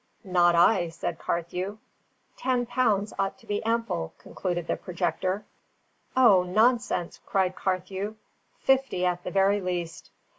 "Not I," said Carthew. "Ten pounds ought to be ample," concluded the projector. "O, nonsense!" cried Carthew. "Fifty at the very least."